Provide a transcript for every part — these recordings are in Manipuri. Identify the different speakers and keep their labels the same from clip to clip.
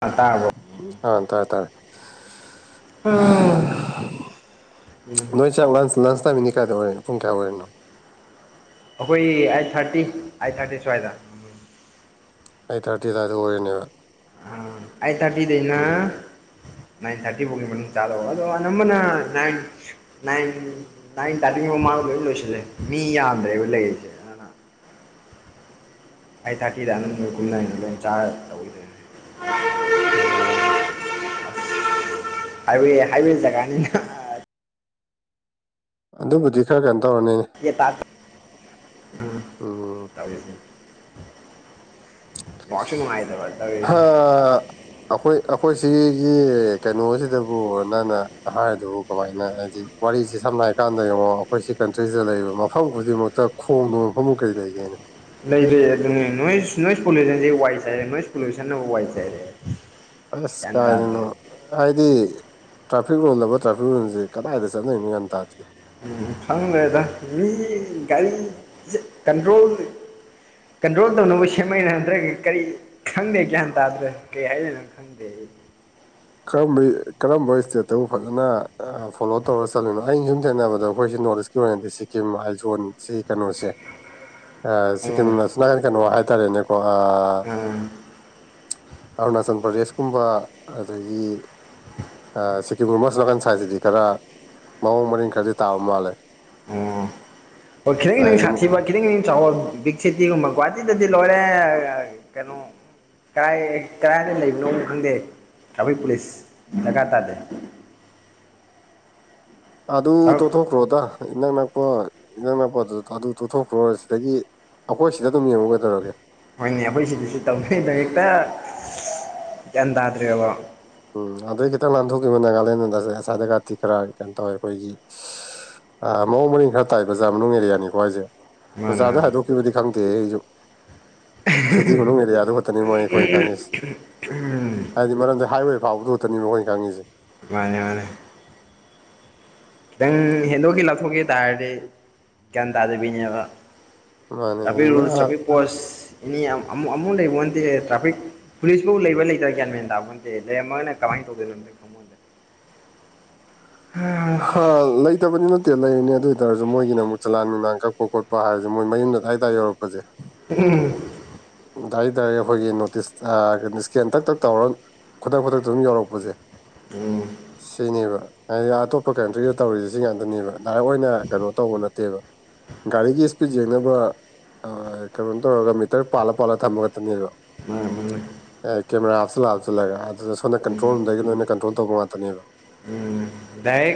Speaker 1: ꯑ ꯇꯥꯔꯕꯣ
Speaker 2: ꯑ ꯇꯔꯦ ꯇꯥꯔꯦ
Speaker 1: ꯎꯝ ꯎꯝ
Speaker 2: ꯅꯣꯏ ꯆꯥꯛ ꯂꯥꯟ ꯂꯁ ꯇꯃꯤꯅꯤ ꯄꯨꯡ ꯀꯌꯥꯗ ꯑꯣꯏꯔ ꯄꯨꯡ ꯀꯌꯥ ꯑꯣꯏꯔꯦꯅꯣ
Speaker 1: ꯑꯩꯈꯣꯏ ꯑꯩꯠ ꯊꯥꯔꯇꯤ ꯑꯩꯠ ꯊꯥꯔꯇꯤ ꯁ꯭ꯋꯥꯏꯗ ꯎꯝ
Speaker 2: ꯑꯩ ꯊꯥꯔꯇꯤꯗꯗ ꯑꯣꯏꯔꯅꯦꯕ
Speaker 1: ꯑꯥ ꯑꯩ ꯊꯥꯔꯇꯤꯗꯦꯅo
Speaker 2: ꯎꯝ
Speaker 1: ꯟ ꯊꯥꯔꯤ ꯆꯥꯅꯟ ꯊꯥꯔꯇꯤ ꯂꯣꯏꯁꯤꯜꯂꯦ ꯃꯤ ꯌꯥꯝꯗ꯭ꯔꯦ ꯑꯩꯣꯏ ꯂꯩꯔꯤꯁꯦ
Speaker 2: [unintelligible]
Speaker 1: ꯑꯩꯠ ꯊꯥꯔꯇꯤꯗ ꯑꯗꯨꯅꯝ ꯂꯣꯏ ꯀꯨꯝꯅꯔꯤꯅꯤ ꯂꯣꯏ ꯆꯥꯔ ꯇꯧꯗꯣꯏꯅꯦ
Speaker 2: ꯑꯣ
Speaker 1: ꯍꯥꯏꯕꯤꯗ ꯀꯅꯤ
Speaker 2: ꯑꯗꯨꯕꯨꯗꯤ ꯈꯔ ꯀꯥꯟꯗ
Speaker 1: ꯇꯥ
Speaker 2: ꯎꯝ
Speaker 1: ꯅꯦꯠꯋꯥꯛꯁꯨ ꯅꯨꯡꯉꯥꯏꯇꯕ ꯇꯧꯔꯤꯁꯦ
Speaker 2: ꯑꯩꯈꯣꯏ ꯑꯩꯈꯣꯏ ꯁꯤꯒꯤ ꯀꯩꯅꯣꯁꯤꯗꯕꯨ ꯅꯪꯅ ꯍꯥꯏꯔꯗꯨꯕꯨ ꯀꯃꯥꯏꯅ ꯍꯥꯏꯗꯤ ꯋꯥꯔꯤꯁꯤꯦ ꯁꯝꯅ ꯍꯥꯏꯀꯥꯟꯗ ꯌꯦꯡꯉꯣ ꯑꯩꯈꯣꯏꯁꯤ ꯀꯟꯇ꯭ꯔꯤꯁꯤꯗ ꯂꯩꯔꯤꯕ ꯃꯐꯝ ꯈꯨꯗꯤꯡꯃꯛꯇ ꯈꯣꯡꯗꯕ ꯃꯐꯝ ꯀꯔꯤ ꯂꯩꯒꯦꯅꯦ
Speaker 1: ꯂꯩꯗꯤꯦ ꯑꯗꯨꯅꯦꯣꯏ ꯅꯣꯏꯁ ꯄꯣꯂꯨꯁꯟꯁꯤ ꯋꯥꯏ ꯆꯥꯏꯔꯦ ꯅꯣꯏꯁ ꯄꯣꯂꯨꯁꯟꯅꯕꯨ ꯋꯥꯏꯠ ꯆꯥꯏꯔꯦ
Speaker 2: ꯑꯁ
Speaker 1: ꯒ꯭ꯌꯥꯟ ꯇꯥꯗ꯭ꯔꯦ
Speaker 2: ꯀꯥꯏꯗꯅꯣ ꯍꯥꯏꯗꯤ ꯇ꯭ꯔꯥꯐꯤꯛ ꯔꯨꯜꯂꯕ ꯇ꯭ꯔꯥꯐꯤꯛ ꯔꯨꯜꯁꯦ ꯀꯗꯥꯏꯗ ꯆꯠꯅꯔꯤꯅꯣ ꯭ꯟ ꯇꯥꯗꯦ
Speaker 1: ꯎꯝ ꯈꯪꯗ꯭ꯔꯦꯗ ꯃꯤ ꯒꯥꯔꯤ ꯀꯟꯇ꯭ꯔꯣꯜ ꯀꯟꯇ꯭ꯔꯣꯜ ꯇꯧꯅꯕ ꯁꯦꯝꯃꯅꯗ꯭ꯔꯒ ꯀꯔꯤ ꯈꯪꯗꯦ ꯒ꯭ꯌꯥꯟ ꯇꯥꯗ꯭ꯔ ꯀꯩ ꯍꯥꯏꯔꯤꯅꯣ ꯈꯪꯗꯦ ꯑꯩ
Speaker 2: [unintelligible] ꯀꯔꯝꯕ ꯀꯔꯝꯕ ꯏꯁꯇꯦꯠꯇꯕꯨ ꯐꯖꯅ ꯐꯣꯂꯣ ꯇꯧꯔ ꯆꯠꯂꯤꯅꯣ ꯑꯩꯅ ꯁꯨꯝ ꯊꯦꯡꯅꯕꯗ ꯑꯩꯈꯣꯏ ꯁꯤꯅ ꯅꯣꯔꯠ ꯏꯁꯀꯤ ꯑꯣꯏꯅꯗꯤ ꯁꯤꯀꯤꯝ ꯑꯥꯏꯜꯖꯣꯟ ꯁꯤꯒꯤ ꯀꯩꯅꯣꯁꯦ
Speaker 1: ꯎꯝ
Speaker 2: ꯁꯤꯀꯤꯝꯅꯁꯨꯅꯍꯟ ꯀꯩꯅꯣ ꯍꯥꯏꯇꯥꯔꯦꯅꯦꯀꯣ
Speaker 1: ꯑꯥ
Speaker 2: ꯑꯔꯨꯅꯥꯆꯜ ꯄ꯭ꯔꯗꯦꯁꯀꯨꯝꯕ ꯑꯗꯒꯤ ꯁꯤꯀꯤꯝꯒꯨꯝ ꯃꯁ ꯃꯈꯟ ꯁꯥꯏꯖꯁꯤꯗꯤ ꯈꯔ ꯃꯑꯣꯡ ꯃꯔꯤꯟ ꯈꯔꯗꯤ ꯇꯥꯕ ꯃꯥꯜꯂꯦ
Speaker 1: ꯑꯣ ꯍꯣꯏ ꯈꯤꯇꯪ ꯈꯤꯇꯪ
Speaker 2: ꯍꯥꯏꯗꯤ ꯃꯨ-
Speaker 1: ꯁꯥꯊꯤꯕ ꯈꯤꯇꯪ ꯆꯥꯎ ꯕꯤꯛ ꯁꯤꯇꯤꯒꯨꯝꯕ ꯒꯨꯍꯥꯇꯤꯗꯗꯤ ꯂꯣꯏꯔꯦ ꯀꯩꯅꯣ ꯀꯥꯏ ꯀꯗꯥꯥꯏꯗ ꯂꯩꯕꯅꯣ ꯈꯪꯗꯦ ꯇ꯭ꯔꯥꯚꯛ ꯄꯨꯂꯤꯁ ꯂꯒꯥꯇꯔꯦ
Speaker 2: [inaudible] ꯑꯗꯨ ꯇꯣꯊꯣꯛꯈ꯭ꯔꯣꯗ ꯏꯅꯛ ꯅꯛꯄ ꯏꯅꯛ ꯅꯛꯄ ꯑꯗꯨꯗ ꯑꯗꯨ ꯇꯣꯊꯣꯛꯈ꯭ꯔꯣ ꯁꯤꯗꯒꯤ ꯑꯩꯈꯣꯏ ꯁꯤꯗ ꯑꯗꯨꯝ ꯌꯦꯡꯉꯨꯒꯗꯧꯔꯒꯦ
Speaker 1: ꯍꯣꯏꯅꯦ ꯑꯩꯈꯣꯏ ꯁꯤꯗꯁꯨ ꯇꯧꯅꯤꯗ ꯍꯦꯛꯇ ꯒ꯭ꯌꯥꯟ ꯇꯥꯗ꯭ꯔꯦꯕꯕꯣ
Speaker 2: ꯎꯝ ꯑꯗꯨꯗꯩ ꯈꯤꯇꯪ ꯂꯥꯟꯊꯣꯛꯈꯤꯕ ꯅꯥꯒꯥꯂꯦꯟꯗꯁ ꯉꯁꯥꯏꯗ ꯀꯥꯇꯤ ꯈꯔ ꯀꯩꯅꯣ ꯇꯧꯋꯦ ꯑꯩꯈꯣꯏꯒꯤ ꯃꯑꯣꯡ ꯃꯔꯤꯟ ꯈꯔ ꯇꯥꯏ ꯑꯣꯖꯥ ꯃꯅꯨꯡ ꯑꯦꯔꯤꯌꯥꯅꯤꯀꯣ ꯍꯥꯏꯁꯦ
Speaker 1: ꯃꯥꯅꯦ
Speaker 2: ꯑꯣꯖꯥꯗ
Speaker 1: ꯃꯥꯅꯦ
Speaker 2: ꯍꯥꯏꯗꯣꯛꯈꯤꯕꯗꯤ ꯈꯪꯗꯦ ꯑꯩꯁꯨ [inaudible] ꯁꯤꯇꯤ ꯃꯅꯨꯡꯣꯅꯨꯡ ꯑꯦꯔꯤꯌꯥꯗ ꯈꯠꯇꯅꯤ ꯃꯣꯏ ꯑꯩꯈꯣꯏ ꯈꯪꯉꯦꯁꯤ ꯍꯥꯏꯗꯤ ꯃꯔꯝꯗꯤ ꯍꯥꯏꯋꯦ ꯍꯧꯥꯎꯗꯣꯇꯅꯦꯕ ꯑꯩꯣꯏꯪꯥꯡꯉꯤꯁꯦ
Speaker 1: ꯃꯥꯅꯦ ꯋꯥꯅꯦ ꯎꯝ ꯍꯦꯟꯗꯣꯛꯀ ꯂꯥꯞꯊꯣꯛꯈꯤ ꯇꯥꯔꯗꯤ ꯒ꯭ꯌꯥꯟ ꯇꯥꯖꯕꯤꯅꯦꯕ
Speaker 2: ꯃꯥꯅꯦ
Speaker 1: ꯑꯄꯤ
Speaker 2: ꯑꯗꯨꯅ
Speaker 1: ꯄꯣꯁ ꯑꯦꯅꯤ ꯑꯃꯨꯛ ꯑꯃꯨꯛ ꯂꯩꯕꯣꯟꯗꯦ ꯇ꯭ꯔꯥꯐꯤꯛ ꯄꯨꯂꯤꯁꯐꯥꯎ ꯂꯩꯕ꯭ꯔ ꯂꯩꯇ꯭ꯔꯥꯒ꯭ꯌꯥꯟ ꯃꯦꯟ ꯇꯥꯕꯣꯟꯗꯦ ꯂꯩꯔꯝꯃꯒꯅ ꯀꯃꯥꯏ ꯔꯣ
Speaker 2: [inaudible] ꯍꯥ ꯂꯩꯇꯕꯅꯤꯅ ꯏꯁꯇꯦꯠ ꯂꯩꯔꯤꯅꯤ ꯑꯗꯨ ꯑꯣꯏ ꯇꯔꯁꯨ ꯃꯣꯏꯒꯤꯅꯨꯛ ꯆꯂꯥꯟ ꯅꯨꯡꯡ ꯀꯛꯄ ꯈꯣꯠꯄ ꯍꯥꯏꯔꯦ ꯃꯣꯏ ꯃꯌꯨꯝꯗꯗꯥꯔ ꯌꯧꯔꯛꯄꯁꯦ
Speaker 1: ꯎꯝl
Speaker 2: ꯑꯗꯨꯗꯥꯏ ꯗꯥꯏꯔ ꯑꯩꯈꯣꯏꯒꯤ ꯅꯣꯇꯤꯁ ꯏꯁꯀꯦꯟꯇꯛ ꯇꯛ ꯇꯧꯔ ꯈꯨꯗꯛ ꯈꯨꯗꯛꯇ ꯑꯗꯨꯝ ꯌꯥꯧꯔꯛꯄꯁꯦ
Speaker 1: ꯎꯝ
Speaker 2: ꯁꯤꯅꯦꯕ ꯍꯥꯏꯗꯤ ꯑꯇꯣꯞꯄ ꯀꯟꯇ꯭ꯔꯤꯗ ꯇꯧꯔꯤꯁꯦ ꯁꯤ ꯉꯥꯛꯇꯅꯦꯕ ꯗꯥꯏꯔꯦꯛ ꯑꯣꯏꯅ ꯀꯩꯅꯣ ꯇꯧꯕ ꯅꯠꯇꯦ ꯅꯠꯇꯦꯕ ꯒꯥꯔꯤꯒꯤ ꯏꯁꯄꯤꯠ ꯌꯦꯡꯅꯕ ꯀꯩꯅꯣ ꯇꯧꯔꯒ ꯃꯤꯇꯔ ꯄꯥꯂ ꯄꯂ ꯊꯝꯃꯒ ꯇꯅꯤꯉꯣ
Speaker 1: ꯃꯥꯅꯦ ꯃꯥꯅꯦ
Speaker 2: ꯑꯦ ꯀꯦꯃꯦꯔꯥ ꯍꯥꯞꯆꯤꯜꯂ ꯍꯥꯞꯆꯤꯜꯂꯒ ꯑꯗꯨꯗ ꯁꯣꯝꯅ ꯀꯟꯇ꯭ꯔꯣꯜ ꯔꯨꯝꯗꯒꯤ ꯂꯣꯏꯅ ꯀꯟꯇ꯭ꯔꯣꯜ ꯇꯧꯕ ꯉꯥꯛꯇꯅꯦꯕ [inaudible]
Speaker 1: ꯎꯝ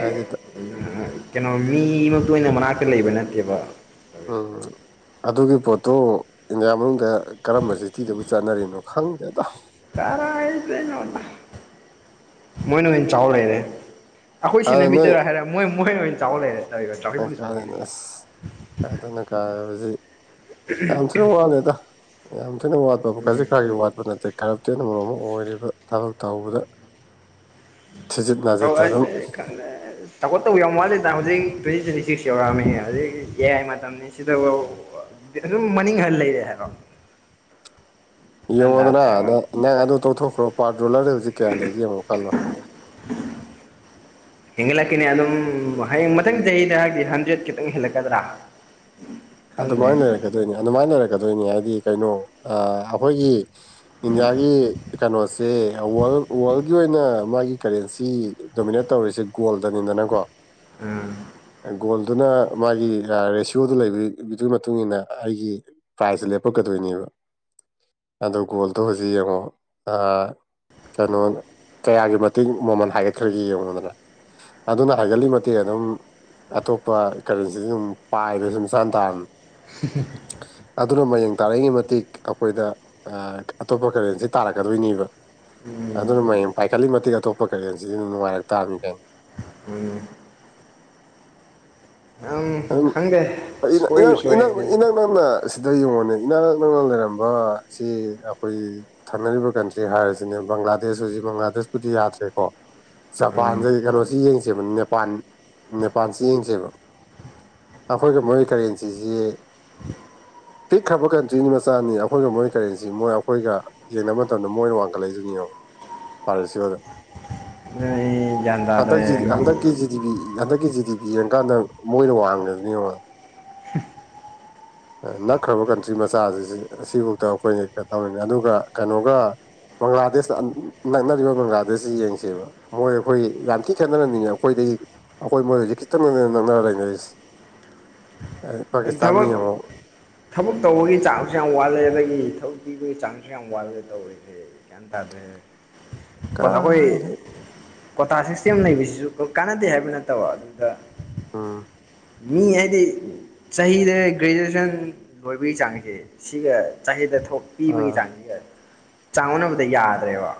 Speaker 2: ꯍꯥꯏꯗꯤ
Speaker 1: ꯀꯩꯅꯣ ꯃꯤꯃꯛꯇ ꯑꯣꯏꯅ ꯃꯅꯥꯛꯇ ꯂꯩꯕ ꯅꯠꯇꯦꯕ
Speaker 2: ꯑ
Speaker 1: ꯇꯧꯔꯤꯁꯦ
Speaker 2: ꯑꯗꯨꯒꯤ ꯄꯣꯠꯇꯨ ꯏꯟꯗꯤꯌꯥ ꯃꯅꯨꯡꯗ ꯀꯔꯝꯕ ꯁꯤꯇꯤꯗꯕꯨ ꯆꯠꯅꯔꯤꯅꯣ ꯈꯪꯗꯦꯗꯥꯎ
Speaker 1: ꯩꯅꯣ ꯃꯣꯏꯅ ꯑꯣꯏꯅ ꯆꯥꯎ ꯂꯩꯛꯔꯦ ꯑꯩꯈꯣꯏ
Speaker 2: ꯑꯗꯨ
Speaker 1: ꯁꯦꯟꯅꯕꯤꯗꯔ ꯍꯥꯏꯔꯦ ꯃꯣꯏ ꯃꯣꯏꯅ ꯑꯣꯏꯅ ꯆꯥꯎ ꯂꯩꯔꯦ ꯇꯧꯔꯤꯕ ꯇ꯭ꯔꯥꯐꯤꯛ ꯄꯨꯂꯤꯁ
Speaker 2: ꯀꯥꯏꯗꯅ
Speaker 1: ꯃꯈꯩꯅ
Speaker 2: ꯀꯥꯏꯗꯅ ꯀꯥ ꯑꯁꯤ ꯌꯥꯝ ꯊꯤꯅ ꯋꯥꯠꯂꯦꯗ ꯌꯥꯝ ꯊꯤꯅ ꯋꯥꯠꯄ ꯈꯔꯁꯤ ꯈꯔꯒꯤ ꯋꯥꯠꯄ ꯅꯠꯇꯦ ꯀꯔꯞꯇꯦꯠ ꯑꯃꯝ ꯑꯃ ꯑꯣꯏꯔꯤꯕ ꯊꯕꯛ ꯇꯧꯕꯗ ꯊꯖꯤꯠ ꯅꯥꯖꯤꯗ꯭ꯔ ꯑꯗꯨꯝ
Speaker 1: ꯇꯧꯈꯣꯠꯇꯧꯕ ꯌꯥ ꯌꯥꯝ ꯃꯥꯠꯂꯦꯗ ꯍꯧꯖꯤꯛ ꯇ꯭ꯋꯦꯟꯇꯤ ꯇ꯭ꯋꯦꯟꯇꯤ ꯁꯤꯛꯁ ꯌꯧꯔꯛꯑꯝꯃꯤ ꯍꯧꯖꯤꯛ ꯑꯦ ꯑꯥꯏ ꯃꯇꯝꯅꯤ ꯁꯤꯗꯕꯨ ꯑꯗꯨꯝ ꯃꯅꯤꯡꯍꯜ ꯂꯩꯔꯦ ꯍꯥꯏꯔꯣ
Speaker 2: [inaudible] ꯌꯦꯡꯉꯣꯗꯅ ꯅꯪ ꯑꯗꯨ ꯇꯧꯊꯣꯛꯈ꯭ꯔꯣ ꯄꯥꯔꯠ ꯣꯂꯔꯗ ꯍꯧꯖꯤꯛ ꯀꯌꯥ ꯂꯩ ꯌꯦꯡꯉꯣꯀꯥꯟꯅꯣ [inaudible]
Speaker 1: ꯍꯦꯟꯒꯠꯂꯛꯀꯅꯦ ꯑꯗꯨꯝ ꯍꯌꯦꯡ ꯃꯊꯪ ꯆꯍꯤꯗ ꯍꯥꯏꯗꯤ ꯍꯟꯗ꯭ꯔꯦꯠ ꯈꯤꯇꯪ ꯍꯦꯜꯂꯛꯀꯗ꯭ꯔꯥ ꯈꯪꯗ꯭ꯔꯦ
Speaker 2: ꯑꯗꯨꯃꯥꯏꯅ ꯂꯩꯔꯛꯀꯗꯣꯏꯅꯤ ꯑꯗꯨꯃꯥꯏꯅ ꯂꯩꯔꯛꯀꯗꯣꯏꯅꯤ ꯍꯥꯏꯗꯤ ꯀꯩꯅꯣ ꯑꯩꯈꯣꯏꯒꯤ ꯏꯟꯗꯤꯌꯥꯒꯤ ꯀꯩꯅꯣꯁꯦ ꯋꯥꯔꯜ ꯋꯥꯔꯜꯒꯤ ꯑꯣꯏꯅ ꯃꯥꯒꯤ ꯀꯔꯦꯟꯁꯤ ꯗꯣꯃꯤꯅꯦꯠ ꯇꯧꯔꯤꯁꯦ ꯒꯣꯜꯗꯅꯤꯗꯅꯀꯣ
Speaker 1: ꯎꯝ
Speaker 2: ꯒꯣꯜꯗꯨꯅ ꯃꯥꯒꯤ ꯔꯦꯁꯤꯌꯣꯗꯨ ꯂꯩꯕ ꯒꯤ ꯃꯇꯨꯡ ꯃꯇꯨꯡꯏꯟꯅ ꯑꯩꯒꯤ ꯄ꯭ꯔꯥꯏꯖꯁꯦ ꯂꯦꯞꯄꯛꯀꯗꯣꯏꯅꯦꯕ ꯑ ꯒꯣꯜꯗꯣ ꯍꯧꯖꯤꯛ ꯌꯦꯡꯉꯣ ꯀꯩꯅꯣ ꯀꯌꯥꯒꯤ ꯃꯇꯦꯡ ꯃꯃꯜ ꯍꯥꯏꯒꯠꯈ꯭ꯔꯒꯦ ꯌꯦꯡꯉꯨꯗꯅ ꯑꯗꯨꯅ ꯍꯥꯏꯒꯠꯂꯤꯃꯛꯇꯤ ꯑꯗꯨꯝ ꯑꯇꯣꯞꯄ ꯀꯔꯦꯟꯁꯤ ꯑꯗꯨꯝ ꯄꯥꯏꯕ ꯁꯨꯝ ꯆ ꯇꯥꯡ ꯑꯗꯨꯅ ꯃꯌꯦꯡ ꯇꯥꯔꯛꯏꯉꯩ ꯃꯇꯤꯛ ꯑꯩꯈꯣꯏꯗ ꯑꯇꯣꯞꯄ ꯀꯔꯦꯟꯁꯤ ꯇꯥꯔꯛꯀꯗꯣꯏꯅꯤ ꯕ
Speaker 1: ꯎꯝ
Speaker 2: ꯑꯗꯨꯅ ꯃꯌꯦꯡ ꯄꯥꯏꯈꯠꯂꯤ ꯃꯇꯤꯛ ꯑꯇꯣꯞꯄ ꯀꯔꯤꯦꯟꯁꯤ ꯅꯨꯡꯉꯥꯏꯔ ꯇꯥꯃꯤ ꯀꯥꯏ [unintelligible]
Speaker 1: ꯎꯝ ꯌꯥꯝ ꯈꯪꯗꯦ ꯁꯣꯏꯕꯨ ꯁꯣꯏꯔꯗꯤ
Speaker 2: ꯏꯅꯛ ꯅꯛꯅ ꯁꯤꯗ ꯌꯦꯡꯉꯣꯟꯅꯤ ꯏꯅꯥꯛ ꯅꯛ ꯅꯛꯅꯅ ꯂꯩꯔꯝꯕ ꯁꯤ ꯑꯩꯈꯣꯏ ꯊꯪꯅꯔꯤꯕ ꯀꯟꯇ꯭ꯔꯤ ꯍꯥꯏꯔꯤꯁꯤꯅꯦ ꯕꯪꯒ꯭ꯂꯥꯗꯦꯁ ꯍꯧꯖꯤ ꯕꯪꯒ꯭ꯂꯥꯗꯦꯁꯄꯨꯗꯤ ꯌꯥꯗ꯭ꯔꯦꯀꯣ
Speaker 1: ꯎꯝ
Speaker 2: ꯖꯄꯥꯟꯗꯒꯤ ꯀꯩꯅꯣꯁꯤ ꯌꯦꯡꯁꯦꯕ ꯅꯦꯄꯥꯟ ꯅꯦꯄꯥꯟꯁꯤ ꯌꯦꯡꯁꯦꯕ ꯑꯩꯈꯣꯏꯒ ꯃꯣꯏ ꯀꯔꯦꯟꯁꯤꯁꯤ ꯄꯤꯛꯈ꯭ꯔꯕ ꯀꯟꯇ꯭ꯔꯤꯅꯤ ꯃꯆꯥꯅꯤ ꯑꯩꯈꯣꯏꯒ ꯃꯣꯏ ꯀꯔꯦꯟꯁꯤ ꯃꯣꯏ ꯑꯩꯈꯣꯏꯒ ꯌꯦꯡꯅꯕ ꯃꯇꯝꯗ ꯃꯣꯏꯅ ꯋꯥꯡꯈꯠꯂꯛꯏꯗꯨꯅꯦ ꯌꯦꯡꯕ ꯐꯔꯁꯤꯒ ꯑꯗꯨ
Speaker 1: ꯎ
Speaker 2: ꯍꯟꯗꯛ ꯍꯟꯗꯛꯀꯤꯦꯖꯤꯗꯤ ꯄꯤ ꯍꯟꯗꯛꯀꯤ ꯖꯤꯦ ꯀꯤ ꯄꯤ ꯌꯦꯡꯀꯥꯟꯗ ꯃꯣꯏꯅ ꯋꯥꯡꯗꯕ ꯌꯦꯉ ꯅꯛꯈ꯭ꯔꯕ ꯀꯟꯇ꯭ꯔꯤ ꯃꯆꯥꯁꯤ ꯑꯁꯤꯐꯥꯎꯗ ꯑꯩꯈꯣꯏꯅꯩꯅ ꯇꯧꯅꯤꯡꯉꯤ ꯑꯗꯨꯒ ꯀꯩꯅꯣꯒ ꯕꯪꯒ꯭ꯂꯥꯗꯦꯁꯇ ꯅꯛꯅꯔꯤꯕ ꯕꯪꯒ꯭ꯂꯥꯗꯦꯁꯁꯤ ꯌꯦꯡꯁꯦꯕ ꯃꯣꯏ ꯑꯩꯈꯣꯏ ꯌꯥꯝ ꯊꯤ ꯈꯦꯠꯅꯔꯅꯤꯡꯉꯦ ꯑꯩꯈꯣꯏꯗ ꯑꯩꯈꯣꯏ ꯃꯣꯏꯁꯤ ꯈꯤꯇꯪ ꯅꯪꯅ ꯂꯩꯅꯔꯤꯁꯦ ꯄꯥꯀꯤꯁꯇꯅꯤ
Speaker 1: ꯊꯕꯛ
Speaker 2: ꯑꯃꯉꯛ
Speaker 1: ꯊꯕꯛ ꯇꯧꯕꯒꯤ ꯆꯥꯡꯁꯨ ꯌꯥꯝ ꯋꯥꯠꯂꯦ ꯑꯗꯒꯤ ꯊꯕꯛ ꯄꯤꯕꯒꯤ ꯆꯥꯡꯁꯨ ꯌꯥꯝ ꯋꯥꯠꯂꯦ ꯇꯧꯔꯤꯁꯦ ꯍꯥꯏꯔ
Speaker 2: ꯀ
Speaker 1: ꯀ꯭ꯣꯇꯥ ꯁꯤꯁꯇꯦꯝ ꯂꯩꯕꯁꯤꯁꯨ ꯀꯥꯟꯅꯗꯦ ꯍꯥꯏꯕ ꯅꯠꯇꯕ ꯑꯗꯨꯗ
Speaker 2: ꯑꯥ
Speaker 1: ꯃꯤ ꯍꯥꯏꯗꯤ ꯆꯍꯤꯗ ꯒ꯭ꯔꯦꯖꯨꯑꯦꯁꯟ ꯂꯣꯏꯕꯒꯤ ꯆꯥꯡꯁꯦ ꯁꯤꯒ ꯆꯍꯤꯗ ꯣꯛ ꯄꯤꯕꯒꯤ
Speaker 2: ꯑꯥ
Speaker 1: ꯆꯥꯡꯁ ꯆꯥꯡꯅꯕꯗ ꯌꯥꯗ꯭ꯔꯦꯕ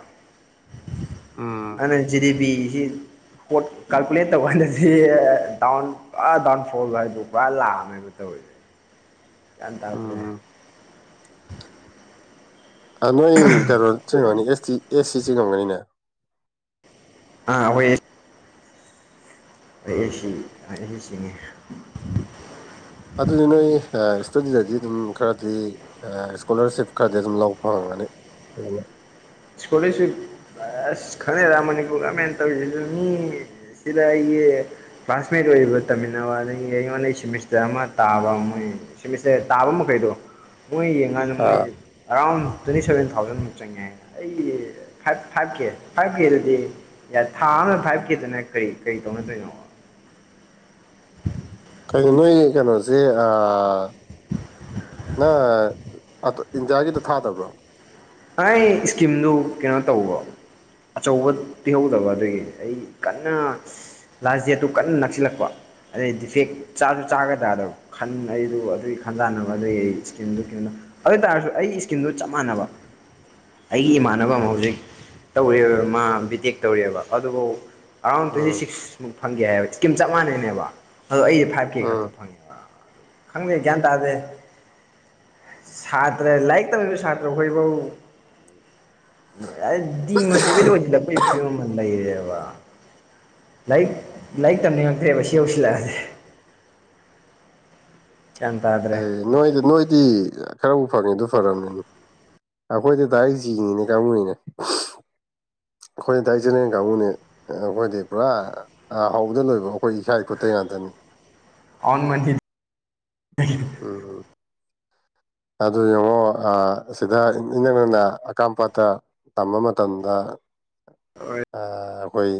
Speaker 2: ꯎꯝ
Speaker 1: ꯑ ꯂꯤꯕꯤꯤ ꯣꯠ ꯀꯜꯄꯨꯂꯦ ꯇꯧꯒꯁꯤ ꯗꯗꯥꯎꯟ ꯄꯨꯔꯥ ꯗꯥꯎꯟꯐꯣꯜ ꯍꯥꯏꯗꯨ ꯄꯨꯔ ꯂꯥꯛꯑꯃꯦꯅ ꯇꯧꯋꯔꯤꯅꯦ ꯌꯥꯝꯟ ꯇꯥꯄꯅꯦ
Speaker 2: ꯎꯝ ꯅꯣꯏ ꯀꯩꯅꯣ ꯆꯤꯡꯉꯅꯤ ꯑꯦꯁ ꯇ ꯑꯦꯁ ꯁꯤ ꯆꯤꯡꯉꯝꯒꯅꯤꯅꯦ
Speaker 1: ꯑꯥ ꯍꯣꯏ ꯑꯩ
Speaker 2: ꯎꯝ
Speaker 1: ꯑꯩꯁꯤ ꯑꯩ ꯆꯉꯦ
Speaker 2: ꯑꯗꯨ ꯑꯗꯨꯗꯤꯅ ꯏꯁꯇꯗꯤꯗꯗꯤ ꯑꯗꯨꯝ ꯈꯔꯗꯤ ꯏꯁꯀꯣꯂꯔꯁꯤꯞ ꯈꯔꯗꯤ ꯑꯗꯨꯝ ꯂꯧꯕ ꯐꯪꯒꯅꯤ ꯎꯝ
Speaker 1: ꯁꯀꯣꯂꯁꯨ ꯑꯁ ꯈꯪꯉꯦꯔꯥ ꯃꯅꯤꯄꯨꯔ ꯒꯃꯦꯟ ꯇꯧꯔꯤ ꯑꯗꯨ ꯃꯤ ꯁꯤꯗ ꯑꯩꯒꯤ ꯀ꯭ꯂꯥꯁꯃꯦꯠ ꯑꯣꯏꯔꯤꯕ ꯇꯝꯃꯤꯟꯅꯕ ꯑꯗꯒꯤ ꯑꯩꯉꯣꯟꯗꯩ ꯁꯤꯦꯃꯤꯁꯇꯔ ꯑꯃ ꯇꯥꯕ ꯃꯣꯏ ꯁꯤꯃꯤꯠꯁꯇꯦ ꯇꯥꯕ ꯃꯈꯩꯗꯣ ꯃꯣꯏ ꯌꯦꯡꯀꯥꯟꯗ ꯃꯣꯏ
Speaker 2: ꯑꯥ
Speaker 1: ꯑꯦꯔꯥꯎꯟ ꯇ꯭ꯋꯦꯟꯇꯤ ꯁꯕꯦꯟ ꯊꯥꯎꯖꯟꯃꯨꯛ ꯆꯪꯉꯦ ꯍꯥꯏ ꯑꯩ ꯊꯥꯛꯀꯦ ꯊꯥꯛꯀꯦ ꯑꯗꯨꯗꯤ ꯌꯥꯔ ꯊꯥ ꯑꯃꯗ ꯐꯥꯏꯚ ꯀꯦꯗꯅ ꯀꯔꯤ ꯀꯔꯤ ꯇꯧꯅꯗꯣꯏꯅꯣ
Speaker 2: ꯀꯣ ꯅꯣꯏ ꯀꯩꯅꯣꯁꯦ ꯅꯪ ꯏꯟꯗꯤꯌꯥꯒꯤꯗ ꯊꯥꯗꯕ꯭ꯔꯣ
Speaker 1: ꯑꯩ ꯏꯁꯀꯤꯝꯗꯨ ꯀꯩꯅꯣ ꯇꯧꯕꯣ ꯑꯆꯧꯕ ꯄꯤꯍꯧꯗꯕ ꯑꯗꯨꯗꯒꯤ ꯑꯩ ꯀꯟꯅ ꯂꯥꯁ ꯗꯦꯠꯇꯨ ꯀꯟꯅ ꯅꯛꯁꯤꯜꯂꯛꯄ ꯑꯗꯩ ꯗꯤꯐꯦꯛ ꯆꯥꯁꯨ ꯆꯥꯒꯗ꯭ꯔꯥꯗꯕ ꯈꯟ ꯑꯩꯗꯨ ꯑꯗꯨꯒꯤ ꯈꯟ ꯇꯥꯅꯕ ꯑꯗꯨꯒꯤ ꯑꯩ ꯏꯁꯀꯤꯟꯗꯨ ꯀꯩꯅꯣꯗ ꯑꯗꯨ ꯑꯣꯏ ꯇꯔꯁꯨ ꯑꯩꯒꯤ ꯏꯁꯀꯤꯝꯗꯨ ꯆꯞ ꯃꯥꯟꯅꯕ ꯑꯩꯒꯤ ꯏꯃꯥꯟꯅꯕ ꯑꯃ ꯍꯧꯖꯤꯛ ꯇꯧꯔꯤꯕ ꯃꯥ ꯕꯤꯇꯦꯛ ꯇꯧꯔꯤꯑꯦꯕ ꯑꯗꯨꯕꯨ ꯑꯔꯥꯎꯟ ꯇ꯭ꯋꯦꯟꯇꯤ
Speaker 2: ꯎꯝ
Speaker 1: ꯁꯤꯛꯁꯃꯨꯛ ꯐꯪꯒꯦ ꯍꯥꯏꯕꯀꯤꯝ ꯆꯞ ꯃꯥꯟꯅꯩꯅꯦꯕ ꯑꯗꯣ ꯑꯩꯁꯦ ꯐꯥꯏꯚ ꯀꯦ
Speaker 2: ꯎꯝ
Speaker 1: ꯈꯛꯇ ꯐꯪꯉꯦꯕ ꯈꯪꯗꯦ ꯒ꯭ꯌꯥꯟ ꯇꯥꯗꯦ ꯁꯥꯇ꯭ꯔ ꯂꯥꯏꯔꯤꯛ ꯇꯝꯃꯤꯕ ꯁꯥꯇ꯭ꯔ ꯍꯈꯣꯏꯐꯧ
Speaker 2: [inaudible]
Speaker 1: ꯃꯗꯤꯤꯕꯗ ꯄ ꯐ ꯂꯩꯔꯦꯕ ꯂꯥꯏꯔꯤꯛ ꯂꯥꯏꯔꯤꯛ ꯇꯝꯅꯤꯡꯉꯛꯇ꯭ꯔꯦꯕ ꯁꯤ ꯌꯧꯁꯤꯜꯂꯛꯑꯁꯦ
Speaker 2: ꯑꯦ ꯅꯣꯏꯗ ꯅꯣꯏꯗꯤ ꯈꯔꯕꯨ ꯐꯪꯉꯦ ꯑꯗꯨ ꯐꯔꯕꯅꯤꯅꯤ ꯑꯩꯈꯣꯏꯗ ꯗꯥꯏꯔꯦꯛ ꯌꯦꯤꯡꯉꯤꯅꯦ ꯀꯥꯡꯕꯨꯔꯤꯅꯦ [inaudible] ꯑꯩꯈꯣꯏ ꯗꯥꯏ ꯏꯆꯦꯔꯦꯟ ꯀꯥꯡꯕꯨꯅꯦ ꯑꯩꯈꯣꯏꯗꯤ ꯄꯨꯔꯥ ꯍꯗ ꯂꯣꯏꯕ ꯑꯩꯈꯣꯏ ꯏꯀꯥꯏ ꯈꯨꯠꯇ ꯉꯥꯛꯇꯅꯤ [inaudible]
Speaker 1: ꯑꯣꯟ ꯃꯅꯤ
Speaker 2: ꯑ ꯑꯗꯨ ꯌꯦꯡꯉꯣ ꯁꯤꯗ ꯏꯅꯛ ꯅꯅ ꯑꯀꯥꯝꯄꯥꯠꯇ ꯇꯝꯕ ꯃꯇꯝꯗ ꯑꯩꯈꯣꯏ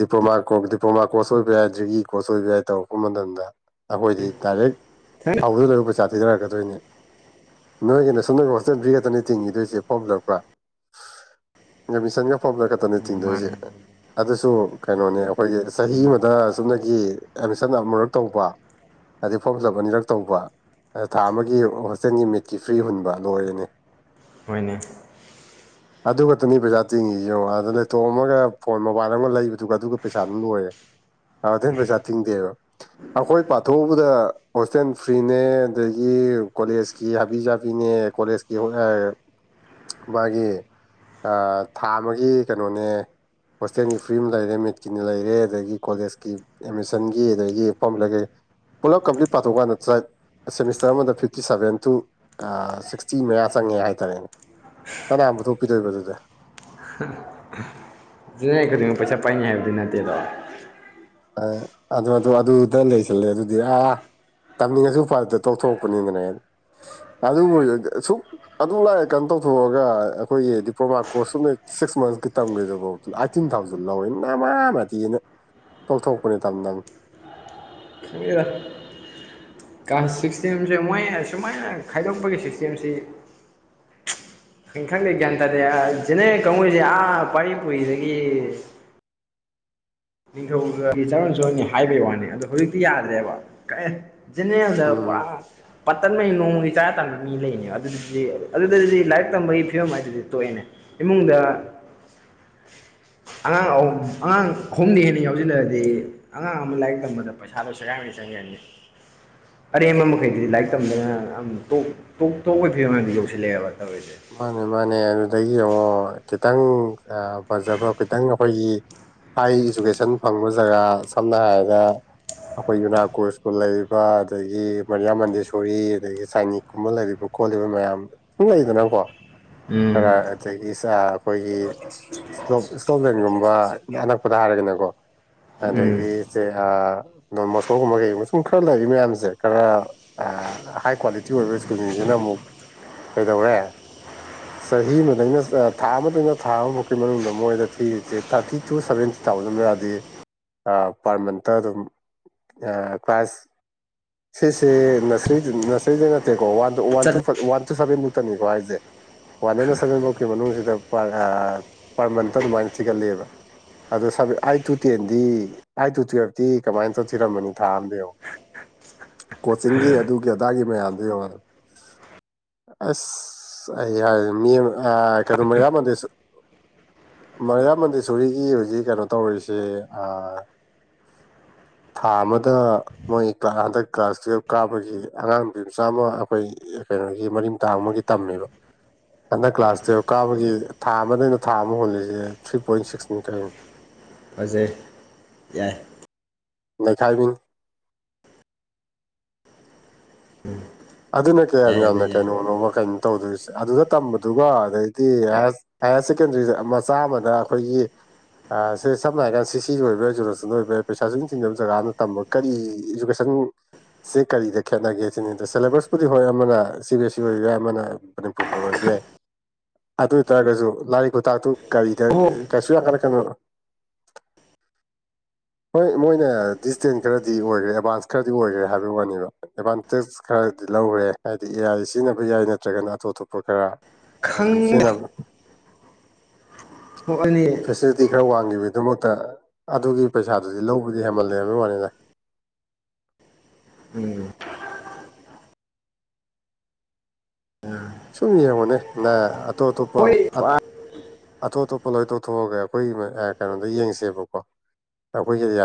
Speaker 2: ꯗꯤꯄ꯭ꯂꯣꯃꯥ ꯀꯣꯔ ꯗꯤꯄ꯭ꯂꯣꯃꯥ ꯀꯣꯔꯁ ꯑꯣꯏꯕ ꯌꯥꯏ ꯗꯤꯒ꯭ꯔꯤ ꯀꯣꯔꯁ ꯑꯣꯏꯕ ꯌꯥꯏ ꯇꯧꯔꯛꯄ ꯃꯇꯝꯗ ꯑꯩꯈꯣꯏꯗꯤ ꯗꯥꯏꯔꯦꯛ ꯍꯥꯎꯗ ꯂꯣꯏꯕ ꯄꯩꯁꯥ ꯊꯤꯊꯔꯛꯀꯗꯣꯏꯅꯤ ꯅꯣꯏꯒꯤꯅꯦ ꯁꯣꯅꯦꯜ ꯍꯣꯁꯇꯦꯜ ꯕ꯭ꯔꯤꯒꯦꯗꯅꯤ ꯊꯤꯡꯈꯤꯗꯣꯏꯁꯦ ꯐꯥꯎꯕꯤꯂꯛꯄ꯭ꯔꯥ ꯀꯃꯤꯁꯟꯒ ꯐꯕꯗ ꯈꯛꯇꯅꯦ ꯆꯤꯡꯗꯣꯏꯁꯦ
Speaker 1: ꯃꯥꯅꯦ
Speaker 2: ꯑꯗꯨꯁꯨ ꯀꯩꯅꯣꯅꯦ ꯑꯩꯈꯣꯏꯒꯤ ꯆꯍꯤ ꯑꯃꯗ ꯆꯨꯞꯅꯒꯤ ꯑꯦꯗꯃꯤꯁꯟ ꯑꯃꯨꯔꯛ ꯇꯧꯕ ꯍꯥꯏꯗꯤ ꯐꯣꯝ ꯆ ꯑꯅꯤꯔꯛ ꯇꯧꯕ ꯑ ꯊꯥ ꯑꯃꯒꯤ ꯍꯣꯁꯇꯦꯜꯒꯤ ꯃꯤꯠꯀꯤ ꯐ꯭ꯔꯤ ꯍꯨꯟꯕ ꯂꯣꯏꯔꯦꯅꯦ
Speaker 1: ꯍꯣꯏꯅꯦ
Speaker 2: ꯑꯗꯨꯒꯛꯇꯅꯤ ꯄꯩꯁꯥ ꯇꯤꯡꯉꯁꯤ ꯌꯦꯡꯉꯣ ꯑꯗ ꯂꯦꯞꯇꯣꯞ ꯑꯃꯒ ꯐꯣꯟ ꯃꯣꯕꯥꯏꯜ ꯑꯃꯒ ꯂꯩꯕꯗꯨꯒ ꯑꯗꯨꯒ ꯄꯩꯁꯥꯗꯨ ꯂꯣꯏꯔꯦ ꯑ ꯑꯗꯨꯦꯟ ꯄꯩꯁꯥ ꯊꯤꯡꯗꯦꯕ ꯑꯩꯈꯣꯏ ꯄꯥꯊꯣꯛꯎꯕꯗ ꯍꯣꯁꯇꯦꯜ ꯐ꯭ꯔꯤꯅꯦ ꯑꯗꯒꯤ ꯀꯣꯂꯦꯖꯀꯤ ꯍꯥꯕꯤ ꯆꯕꯤꯅꯦ ꯀꯣꯂꯦꯖꯀꯤ ꯃꯥꯒꯤ ꯊꯥ ꯑꯃꯒꯤ ꯀꯩꯅꯣꯅꯦ ꯍꯣꯁꯇꯦꯜꯒꯤ ꯐ꯭ꯔꯤ ꯑꯃ ꯂꯩꯔꯦ ꯃꯦꯠꯀꯤꯅ ꯂꯩꯔꯦ ꯑꯗꯒꯤ ꯀꯣꯂꯦꯖꯀꯤ ꯑꯦꯠꯃꯤꯁꯟꯒꯤ ꯑꯗꯒꯤ ꯂꯩꯒꯩ ꯄꯨꯂ ꯀꯝ꯭ꯂꯂꯤꯠ ꯄꯥꯊꯣꯛꯀ ꯅꯥꯏ ꯁꯦꯃꯤꯁꯇꯔ ꯑꯃꯗ ꯐꯤꯞꯇꯤ ꯁꯚꯦꯟ ꯇꯨ ꯁꯤꯛꯁꯇꯤ ꯃꯌꯥ ꯆꯪꯉꯦ ꯍꯥꯏꯇꯥꯔꯦꯅꯦ ꯀꯅꯥꯕꯨ ꯊꯣꯛꯄꯤꯗꯣꯏꯕꯗꯨꯗ
Speaker 1: ꯈꯨꯗ ꯄꯩꯁꯥ ꯄꯥꯏ ꯍꯥꯏꯕꯗ ꯅꯠꯇꯇꯩꯗ
Speaker 2: ꯑ ꯑꯗꯨ ꯑꯗꯨꯗ ꯂꯩꯁꯜꯂꯦ ꯑꯗꯨꯗꯤ ꯑ ꯇꯝꯅꯤꯡꯉꯁꯨ ꯎꯄꯥꯗꯨꯗ ꯇꯧꯊꯣꯛꯄꯅꯤꯗꯅꯦ ꯑꯗꯨꯕꯨ ꯁꯛ ꯑꯗꯨꯝ ꯂꯥꯛꯑꯦ ꯀꯩꯅ ꯇꯧꯊꯣꯛꯑꯒ ꯑꯩꯈꯣꯏꯒꯤ ꯗꯤꯄ꯭ꯂꯣꯃꯥ ꯀꯣꯔꯁ ꯁ ꯁꯤꯛꯁ ꯃꯟꯁꯀꯤ ꯇꯝꯒꯗꯨ ꯑꯥꯏꯠꯇꯤꯟ ꯊꯥꯎꯖꯟ ꯂꯧꯋꯦ ꯅꯃꯥ ꯃꯗꯤꯤꯅ ꯇꯧ ꯊꯧ ꯈꯨ ꯇꯝ ꯅꯝ
Speaker 1: ꯈꯪꯗꯦꯗ ꯁꯤꯁꯇꯦꯝꯁꯦ ꯃꯣꯏ ꯁꯨꯃꯥꯏꯅ ꯈꯥꯏꯗꯣꯛꯄꯒꯤ ꯁꯤꯁꯇꯦꯝꯁꯤ
Speaker 2: [inaudible]
Speaker 1: ꯑꯩ ꯈꯪꯗꯦ ꯒ꯭ꯌꯥꯟ ꯇꯥꯗꯦ ꯁꯤꯅꯦ ꯀꯉꯣꯏꯁꯦ ꯑꯥ ꯄꯥꯔꯤ ꯄꯨꯔꯤꯗꯒꯤ ꯅꯤꯡꯊꯧꯒꯒꯤ ꯆꯥꯔꯣꯟ ꯆꯨꯔꯍꯣꯟꯅꯤꯦ ꯍꯥꯏꯕꯒꯤ ꯋꯥꯅꯤ ꯑꯗꯣ ꯍꯧꯖꯤꯛꯇꯤ ꯌꯥꯗ꯭ꯔꯦꯕ ꯀꯛꯑꯦ ꯅꯦ ꯂꯩꯕ
Speaker 2: ꯎꯝ
Speaker 1: ꯄꯔꯥ ꯄꯥꯇꯟꯃꯩ ꯅꯣꯡꯃꯒꯤ ꯆꯔ ꯇꯥꯟꯕ ꯃꯤ ꯂꯩꯅꯦꯕ ꯑꯗꯨꯗꯨꯗꯤ ꯑꯗꯨꯗꯗꯤ ꯂꯥꯏꯔꯤꯛ ꯇꯝꯕꯒꯤ ꯐꯤꯕꯝ ꯍꯥꯏꯗꯨꯗꯤ ꯇꯣꯛꯑꯦꯅꯦ ꯏꯃꯨꯡꯗ
Speaker 2: [inaudible]
Speaker 1: ꯑꯉꯥꯡ ꯑ ꯑꯉꯥꯡ ꯍꯍꯨꯝꯅ ꯍꯦꯟꯅ ꯌꯥꯎꯁꯤꯜꯂꯛꯑꯗꯤ ꯑꯉꯥꯡ ꯑꯃ ꯂꯥꯏꯔꯤꯛ ꯇꯝꯕꯗ ꯄꯩꯁꯥꯗꯣ ꯁꯦꯒꯥꯏꯉꯅ ꯆꯪꯒꯔꯅꯤ ꯑꯔꯦꯝꯕ ꯃꯈꯩꯗꯨꯗꯤ ꯂꯥꯏꯔꯤꯛ ꯇꯝꯗꯅꯝ ꯇꯣꯛ ꯇꯣꯛꯄꯒꯤ ꯐꯤꯕꯝ ꯑꯃꯣ ꯌꯧꯁꯤꯜꯂꯛꯑꯦꯕ ꯇꯧꯔꯤꯁꯦ
Speaker 2: ꯃꯥꯅꯦ ꯃꯥꯅꯦ ꯑꯗꯨꯗꯒꯤ ꯌꯦꯡꯉꯣ ꯈꯤꯇꯪ ꯐꯖꯕ ꯈꯤꯇꯪ ꯑꯩꯈꯣꯏꯒꯤ ꯍꯥꯏ ꯏꯗꯨꯨꯀꯦꯁꯟ ꯐꯪꯕ ꯖꯒꯥ ꯁꯝꯅ ꯍꯥꯏꯔꯕꯗ ꯑꯩꯈꯣꯏ ꯌꯨꯅꯥꯀꯣꯁꯀꯨꯜ ꯂꯩꯔꯤꯕ ꯑꯗꯒꯤ ꯃꯔꯤꯌꯥꯃꯟꯗꯦꯁꯣꯔꯤ ꯑꯗꯒꯤ ꯁꯥꯏꯅꯤꯛꯀꯨꯝꯕ ꯂꯩꯔꯤꯕ ꯈꯣꯜꯂꯤꯕ ꯃꯌꯥꯝ ꯁꯨꯝ ꯂꯩꯗꯅꯪꯀꯣ
Speaker 1: ꯎꯝ
Speaker 2: ꯈꯔ ꯑꯗꯒꯤ ꯑꯩꯈꯣꯏꯒꯤ ꯏꯁꯇꯣꯞ ꯂꯦꯟꯒꯨꯝꯕ ꯑꯅꯛꯄꯗ ꯍꯥꯏꯔꯒꯅꯀꯣ
Speaker 1: ꯎꯝ
Speaker 2: ꯑꯗꯒꯤꯦ ꯅꯣꯟ ꯃꯣꯁꯀꯣꯒꯨꯝꯕ ꯀꯩ ꯁꯨꯝ ꯈꯔ ꯂꯩꯔꯤ ꯃꯌꯥꯝꯁꯦ ꯈꯔ ꯍꯥꯏ ꯀ꯭ꯋꯥꯂꯤꯇꯤ ꯑꯣꯏꯕ ꯁ꯭ꯀꯨꯜꯁꯤꯡꯁꯤꯅ ꯑꯃꯨꯛ ꯀꯩꯗꯧꯔꯦ ꯆꯍꯤ ꯑꯃꯗꯒꯤꯩꯅ ꯊꯥ ꯑꯃꯗꯩꯅ ꯊꯥ ꯑꯃ ꯐꯥꯎꯒꯤ ꯃꯅꯨꯡꯗ ꯃꯣꯏꯗ ꯊꯤꯔꯤꯁꯦ ꯊꯥꯔꯇꯤ ꯇꯨ ꯁꯚꯦꯟꯇꯤ ꯊꯥꯎꯖꯟ ꯌꯥꯗꯤ ꯄꯥꯔꯃꯦꯟꯇ ꯑꯗꯨꯝ ꯀ꯭ꯂ ꯁꯤꯁꯦ ꯅꯁꯔꯤ ꯅꯁꯔꯤꯗ ꯅꯠꯇꯦꯀꯣ ꯋꯥꯟ ꯇ ꯋꯥꯟ
Speaker 1: ꯆꯠ
Speaker 2: ꯇꯨ ꯋꯥꯟ ꯇꯨ ꯁꯚꯦꯟ ꯃꯨꯛꯇꯅꯤꯀꯣ ꯍꯥꯏꯁꯦ ꯋꯥꯟ ꯍꯟ ꯁꯚꯦꯟ ꯐꯥꯎꯀꯤ ꯃꯅꯨꯡꯁꯤꯗ ꯄꯔ ꯃꯟꯇ ꯑꯗꯨꯃꯥꯏꯅ ꯊꯤꯒꯠꯂꯤꯦꯕ ꯑꯗꯣ ꯑꯠ ꯇꯨ ꯇꯦꯟꯗꯤ ꯑꯩꯠ ꯇꯨ ꯇꯨꯌꯦꯜꯐꯇꯤ ꯀꯃꯥꯏꯅ ꯇꯧꯁꯤꯔꯝꯕꯅꯤ ꯊꯥ ꯑꯝꯗ ꯌꯦꯉꯣ ꯀꯣꯆꯤꯡꯒꯤ ꯑꯗꯨꯒꯤ ꯑꯗꯥꯒꯤ ꯃꯌꯥꯝꯗꯣ ꯌꯡꯉꯦ ꯑꯁ ꯑꯩ ꯌꯥ ꯃꯤ ꯀꯔ ꯃ ꯌꯥ ꯃ ꯃꯔꯤꯌꯥ ꯃꯟꯙꯦꯁꯣꯔꯤꯒꯤ ꯍꯧꯖꯤꯛ ꯀꯩꯅꯣ ꯇꯧꯔꯤꯁꯦ [unintelligible] ꯊꯥ ꯑꯃꯗ ꯃꯣꯏ ꯀ꯭ꯂ ꯍꯟꯗꯛ ꯀ꯭ꯂꯥꯁ ꯇꯨꯌꯦꯜꯞ ꯀꯥꯞꯄꯒꯤ ꯑꯉꯥꯡ ꯅꯨꯄꯤ ꯃꯆꯥ ꯑꯃ ꯑꯩꯈꯣꯏ ꯀꯩꯅꯣꯒꯤ ꯃꯔꯤꯝ ꯇꯥꯡ ꯑꯃꯒꯤ ꯇꯝꯃꯦꯕ ꯍꯟꯗꯛ ꯀ꯭ꯂꯥꯁ ꯇꯨꯌꯦꯜꯞ ꯀꯥꯕꯒꯤ ꯊꯥ ꯑꯃꯗꯩꯅ ꯊꯥ ꯑꯃ ꯍꯨꯜꯂꯤꯁꯦ ꯊ꯭ꯔꯤ ꯄꯣꯏꯟ ꯁꯤꯛꯁꯅꯤ ꯀꯥꯏꯩꯅꯣ
Speaker 1: ꯐꯖꯩ ꯌꯥꯏ
Speaker 2: ꯂꯈꯥꯏꯕꯤꯟ ꯑꯗꯨꯅ ꯀꯌꯥꯝ
Speaker 1: ꯌꯥꯏ ꯑꯗꯨ
Speaker 2: ꯌꯥꯝꯅ
Speaker 1: ꯌꯥꯏ
Speaker 2: ꯀꯩꯅꯣꯅꯣꯕ ꯀꯩꯅꯣ ꯇꯧꯗꯣꯏꯁꯦ ꯑꯗꯨꯗ ꯇꯝꯕꯗꯨꯒ ꯑꯗꯩꯗꯤ ꯍꯥꯌꯔ ꯁꯦꯀꯦꯟꯗꯔꯤꯗ ꯃꯆꯥ ꯑꯃꯗ ꯑꯩꯈꯣꯏꯒꯤ ꯁꯦ ꯁꯝꯅ ꯍꯥꯏꯔ ꯀꯥꯟꯗ ꯁꯤ ꯁꯤꯁꯨ ꯑꯣꯏꯕ ꯏꯖꯨꯀꯦꯁꯟ ꯑꯣꯏꯕ ꯌꯥ ꯄꯩꯁꯥꯁꯨ ꯊꯤꯟꯕ ꯖꯒꯥꯅ ꯇꯝꯕ ꯀꯔꯤ ꯏꯖꯀꯦꯁꯟ ꯁꯤ ꯀꯔꯤꯗꯦ ꯈꯦꯠꯅꯒꯦ ꯁꯤꯅꯤ ꯁꯦꯂꯦꯕꯁꯄꯨꯗꯤ ꯍꯣꯏ ꯑꯃꯅ ꯁꯤ ꯕꯤ ꯁꯤ ꯑꯣꯏꯒꯦꯔ ꯑꯃꯅ ꯃꯅꯤꯄꯨꯔ ꯕꯣꯔꯠ ꯑꯣꯏꯕ ꯌꯥꯏ ꯑꯗꯨ ꯑꯣꯏ ꯇꯔꯒꯁꯨ ꯂꯥꯏꯔꯤꯛ ꯈꯨꯇꯥꯛꯇꯨ ꯒꯥꯔꯤꯗ
Speaker 1: ꯑꯣ
Speaker 2: ꯀꯩꯁꯨ ꯌꯥꯝ ꯀꯥꯟꯅ ꯀꯩꯅꯣ [unintelligible] ꯍꯣꯏ ꯃꯣꯏꯅ ꯗꯤꯁꯇꯦꯟ ꯈꯔꯗꯤ ꯑꯣꯏꯔꯦ ꯑꯦꯗꯚꯥꯟꯁ ꯈꯔꯗꯤ ꯑꯣꯏꯔꯦ ꯍꯥꯏꯕꯒꯤ ꯋꯥꯅꯦꯕ ꯑꯦꯗꯚꯥꯟꯇꯦꯖ ꯈꯔꯗꯤ ꯂꯧꯔꯦ ꯍꯥꯏꯗꯤ ꯑꯦ ꯑꯥꯏ ꯁꯤꯖꯤꯟꯅꯕ ꯌꯥꯏ ꯅꯠꯇ꯭ꯔꯒꯅ ꯑꯇꯣꯞ ꯑꯇꯣꯞꯄ ꯈꯔ ꯑꯗꯨꯝ
Speaker 1: ꯈꯪꯗꯦ
Speaker 2: ꯁꯤꯅ
Speaker 1: ꯍꯣꯏ ꯑꯗꯨꯅꯤ
Speaker 2: ꯐꯦꯁꯤꯂꯤꯇꯤ ꯈꯔ ꯋꯥꯡꯈꯤꯕ ꯑꯗꯨꯃꯛ ꯑ ꯑꯗꯨꯒꯤ ꯄꯩꯁꯥꯗꯨꯗꯤ ꯂꯧꯕꯗꯤ ꯍꯦꯃꯜꯂꯦ ꯍꯥꯏꯕ ꯋꯥꯅꯤꯗ
Speaker 1: ꯎꯝ
Speaker 2: ꯁꯨꯝ ꯌꯦꯡꯉꯣꯅꯦ ꯅ ꯑꯇꯣꯞ ꯑꯇꯣꯞꯄ ꯑꯇꯣꯞ ꯑꯇꯣꯞ ꯄꯣꯠꯂꯣꯏ ꯇꯧꯊꯣꯛꯑꯒ ꯑꯩꯈꯣꯏꯒꯤ ꯀꯩꯅꯣꯗ ꯌꯦꯡꯁꯦꯕꯀꯣ ꯑꯩꯈꯣꯏꯒꯤ